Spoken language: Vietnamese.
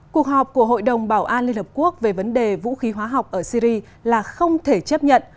cuộc họp của hội đồng bảo an liên hợp quốc về vấn đề vũ khí hóa học ở syri là không thể chấp nhận